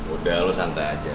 udah lu santai aja